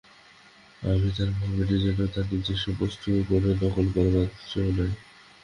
আর তার ভাবটি যেন তাদের নিজস্ব বস্তু, কারও নকল করবার যো নেই।